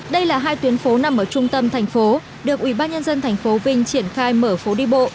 đây là hai tuyến phố nằm ở trung tâm thành phố được ubnd tp vinh triển khai mở phố đi bộ